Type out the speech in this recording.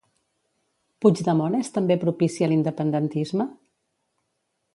Puigdemont és també propici a l'independentisme?